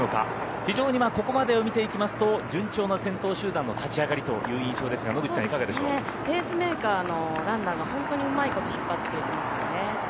非常にここまでを見ていきますと順調な先頭集団の立ち上がりという印象ですがペースメーカーのランナーが本当にうまいこと引っ張ってくれてますよね。